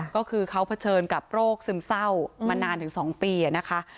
ก็คือเขาเผชิญกับโรคซึมเศร้ามานานถึง๒ปีนะคะ